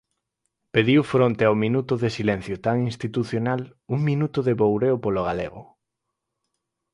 Pediu, fronte ao minuto de silencio tan institucional, un minuto de boureo polo galego.